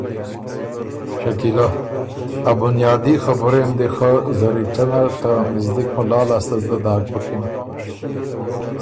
شکیلۀ: ا بنیادي خبُرئ م دی خه زرِکته نر ته مِزدک مُلا لاسته زدۀ داک بُکِن